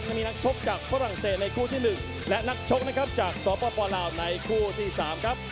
ยังมีนักชกจากฝรั่งเศษในคู่ที่หนึ่งและนักชกจากสวบประปราวในคู่ที่สามครับ